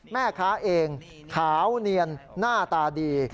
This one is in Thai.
แม่ค้าเองขาวเนียนหน้าตาดี